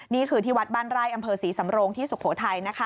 นี่คือที่วัดบ้านไร่อำเภอศรีสำโรงที่สุโขทัย